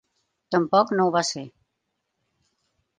Tampoc no ho va ser.